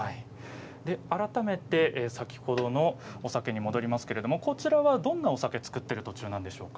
改めて、先ほどのお酒に戻りますけれどもどんなお酒を造っている途中なんでしょうか。